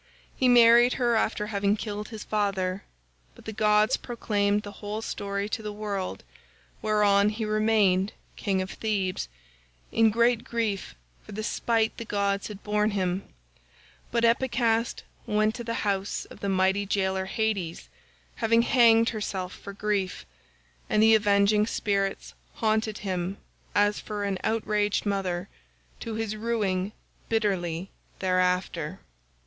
He married her after having killed his father, but the gods proclaimed the whole story to the world; whereon he remained king of Thebes, in great grief for the spite the gods had borne him; but Epicaste went to the house of the mighty jailor Hades, having hanged herself for grief, and the avenging spirits haunted him as for an outraged mother—to his ruing bitterly thereafter.